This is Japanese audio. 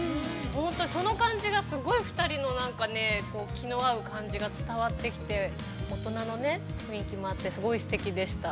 本当にその感じがすごい２人の気の合う感じが伝わってきて、大人の、雰囲気もあって、すごいすてきでした。